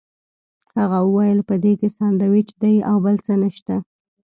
هغه وویل په دې کې ساندوېچ دي او بل څه نشته.